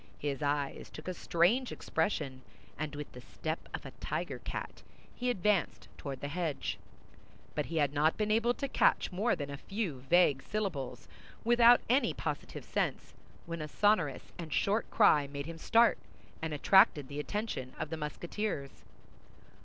His eyes took a strange expression, and with the step of a tiger cat he advanced toward the hedge; but he had not been able to catch more than a few vague syllables without any positive sense, when a sonorous and short cry made him start, and attracted the attention of the Musketeers.